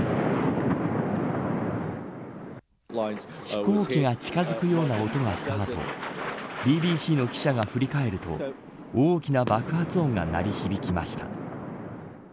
飛行機が近づくような音がした後ＢＢＣの記者が振り返ると大きな爆発音が鳴り響きました。